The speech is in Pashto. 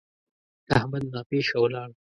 احمد ناپېښه ولاړ.